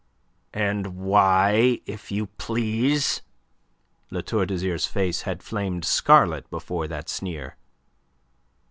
"And why, if you please?" La Tour d'Azyr's face had flamed scarlet before that sneer.